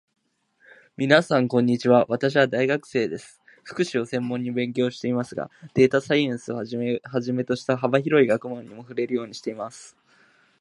みなさん、こんにちは。私は大学生です。福祉を専門に勉強していますが、データサイエンスをはじめとした幅広い学問にも触れるようにしています。